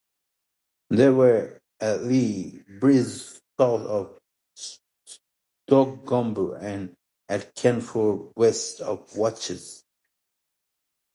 These were at Leigh Bridge south of Stogumber and at Kentford west of Watchet.